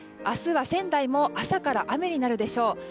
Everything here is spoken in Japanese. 明日は仙台も朝から雨になるでしょう。